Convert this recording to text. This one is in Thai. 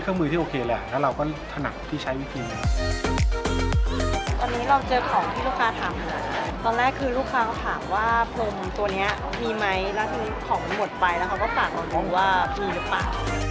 คือลูกค้าเขาถามว่าพรมตัวเนี้ยมีไหมแล้วทีนี้ของมันหมดไปแล้วเขาก็ฝากเราดูว่ามีหรือเปล่า